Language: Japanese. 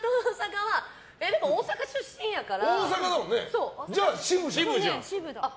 でも、大阪出身やから。